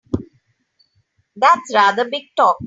That's rather big talk!